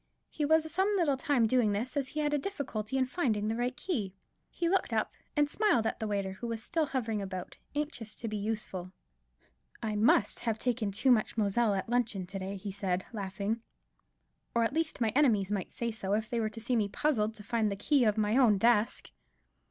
He was some little time doing this, as he had a difficulty in finding the right key. He looked up and smiled at the waiter, who was still hovering about, anxious to be useful. "I must have taken too much Moselle at luncheon to day," he said, laughing, "or, at least, my enemies might say so, if they were to see me puzzled to find the key of my own desk."